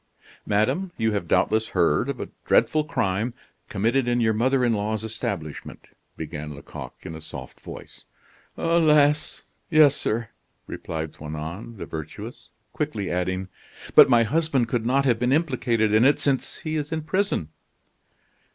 "Madame, you have doubtless heard of a dreadful crime, committed in your mother in law's establishment," began Lecoq in a soft voice. "Alas! yes, sir," replied Toinon the Virtuous, quickly adding: "But my husband could not have been implicated in it, since he is in prison."